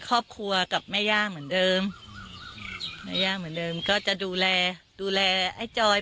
ครอบครัวกับแม่ย่าเหมือนเดิมแม่ย่าเหมือนเดิมก็จะดูแลดูแลไอ้จอย